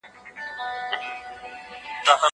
پاپانو په پاچاهانو باندې نفوذ درلود.